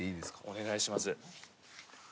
お願いします。